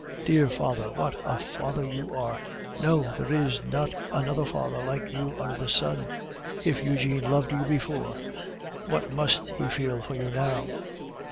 "Dear father, what a father you are! No, there is not another father like you under the sun. If Eugene loved you before, what must he feel for you now?"